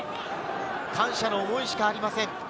感謝の思いしかありません。